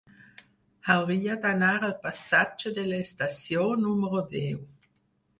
Hauria d'anar al passatge de l'Estació número deu.